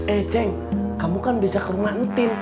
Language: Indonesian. eh ceng kamu kan bisa ke rumah nantin